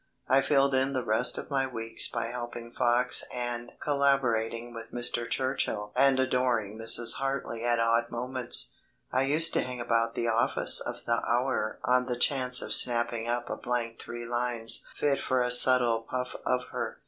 I filled in the rest of my weeks by helping Fox and collaborating with Mr. Churchill and adoring Mrs. Hartly at odd moments. I used to hang about the office of the Hour on the chance of snapping up a blank three lines fit for a subtle puff of her.